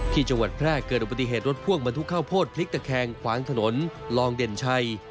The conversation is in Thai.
ที่จังหวัดแพร่เกิดอุบัติเหตุรถพ่วงบรรทุกข้าวโพดพลิกตะแคงขวางถนนลองเด่นชัย